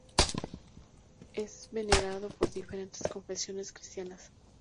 Es venerado por diferentes confesiones cristianas.